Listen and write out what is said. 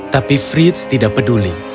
tapi fritz tidak peduli